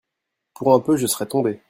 Pour un peu, je serais tombé.